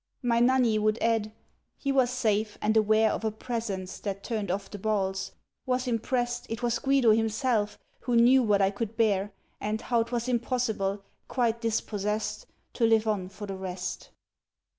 My Nanni would add "he was safe, and aware Of a presence that turned off the balls ... was imprest It was Guido himself, who knew what I could bear, And how 't was impossible, quite dispossessed, To live on for the rest."